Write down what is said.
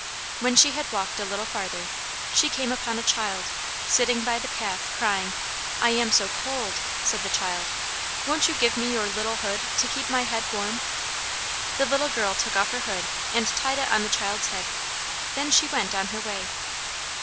When she had walked a little farther she came upon a child, sitting by the path, crying. "I am so cold!" said the child. "Won't you give me your little hood, to keep my head warm?" The little girl took off her hood and tied it on the child's head. Then she went on her way.